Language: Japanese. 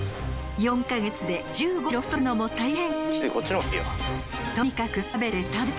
４カ月で１５キロ太るのも大変。